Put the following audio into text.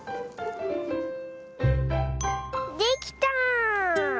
できた！